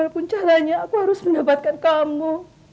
dan apapun caranya aku harus mendapatkan kamu